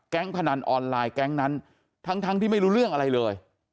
พนันออนไลน์แก๊งนั้นทั้งที่ไม่รู้เรื่องอะไรเลย